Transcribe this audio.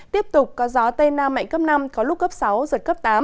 tiếp tục có gió tây nam mạnh cấp năm có lúc cấp sáu giật cấp tám